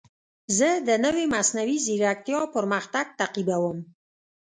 زه د نوې مصنوعي ځیرکتیا پرمختګ تعقیبوم.